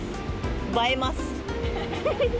映えます。